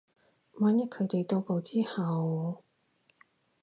萬一佢哋到埗之後